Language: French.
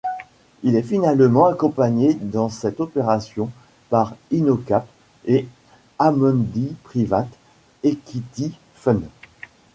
Il est finalement accompagné dans cette opération par Inocap et Amundi Private Equity Funds.